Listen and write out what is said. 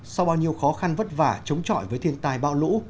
sau bao nhiêu khó khăn vất vả chống chọi với thiên tài bão lũ